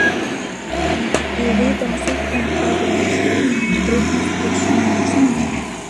Il est dans certains cas de nature reconstructionniste.